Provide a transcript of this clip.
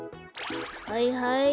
はいはい。